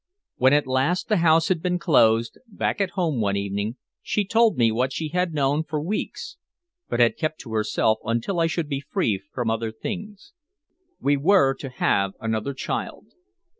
When at last the house had been closed, back at home one evening she told me what she had known for weeks but had kept to herself until I should be free from other things. We were to have another child.